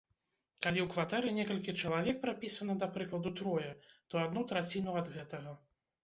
Калі ў кватэры некалькі чалавек прапісана, да прыкладу, трое, то адну траціну ад гэтага.